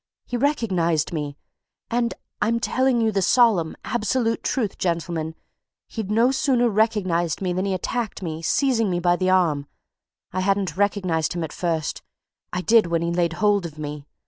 He recognized me. And I'm telling you the solemn, absolute truth, gentlemen! he'd no sooner recognized me than he attacked me, seizing me by the arm. I hadn't recognized him at first, I did when he laid hold of me.